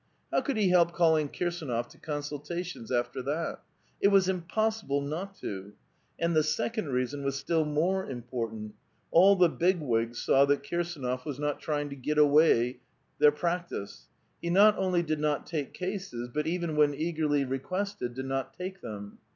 How could he help calling Kirsdnof to consultations after that ? It was impossible not to ! And the second reason was still more important: all the Big Wigs saw that Kirsdnof was not trying to get away their practice. He not only did not take cases, but even when eagerly re quested did not take tbem.